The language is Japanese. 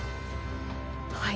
はい。